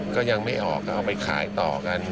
ก็ยังไม่ออกก็เอาไปขายต่อกัน